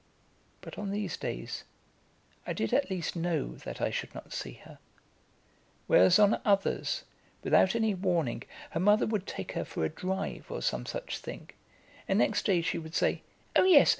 But on these days I did at least know that I should not see her, whereas on others, without any warning, her mother would take her for a drive, or some such thing, and next day she would say: "Oh, yes!